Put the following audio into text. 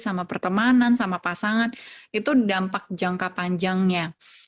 sama pertemanan sama pasangan itu dampak jangka panjangnya